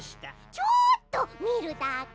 ちょっとみるだけ！